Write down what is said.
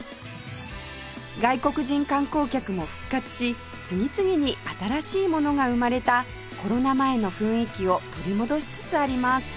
外国人観光客も復活し次々に新しいものが生まれたコロナ前の雰囲気を取り戻しつつあります